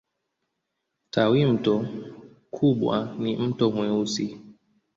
Tawimto kubwa ni Mto Mweusi.